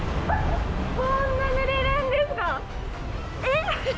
こんなにぬれるんですか！？